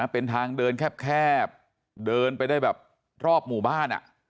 เป็นทางเดินแคบเดินไปได้แบบรอบหมู่บ้าน